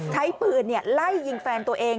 ใช้ปืนไล่ยิงแฟนตัวเอง